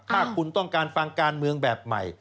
ถ้าคุณต้องการฟังการเมืองแบบใหม่